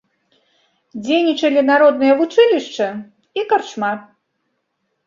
Дзейнічалі народнае вучылішча і карчма.